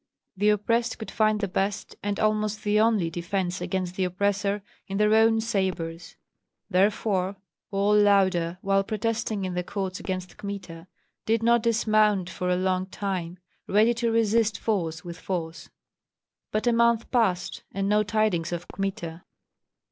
The oppressed could find the best and almost the only defence against the oppressor in their own sabres; therefore all Lauda, while protesting in the courts against Kmita, did not dismount for a long time, ready to resist force with force. But a month passed, and no tidings of Kmita.